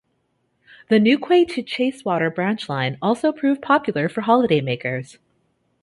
The Newquay to Chacewater branch line also proved popular for holidaymakers.